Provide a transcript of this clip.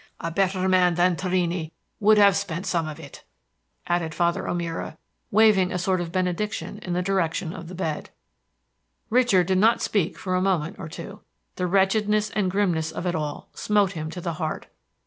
A better man than Torrini would have spent some of it," added Father O'Meara, waving a sort of benediction in the direction of the bed. Richard did not speak for a moment or two. The wretchedness and grimness of it all smote him to the heart.